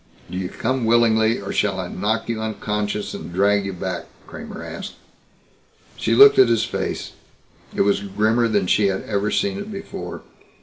"Do you come willingly or shall I knock you unconscious and drag you back?" Kramer asked. She looked at his face. It was grimmer than she had ever seen it before.